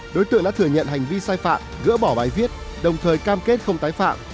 đối tượng đã thừa nhận hành vi sai phạm gỡ bỏ bài viết đồng thời cam kết không tái phạm